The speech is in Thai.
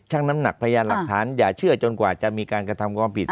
น้ำหนักพยานหลักฐานอย่าเชื่อจนกว่าจะมีการกระทำความผิด